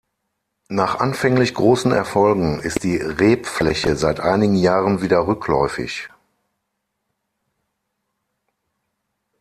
Nach anfänglich großen Erfolgen ist die Rebfläche seit einigen Jahren wieder rückläufig.